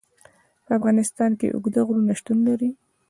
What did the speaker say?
په افغانستان کې اوږده غرونه شتون لري.